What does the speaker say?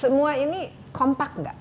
semua ini kompak enggak